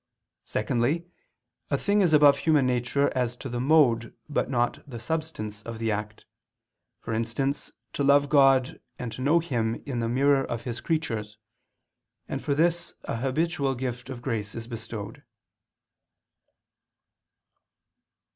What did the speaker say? Secondly, a thing is above human nature as to the mode but not the substance of the act for instance to love God and to know Him in the mirror of His creatures and for this a habitual gift of grace is bestowed.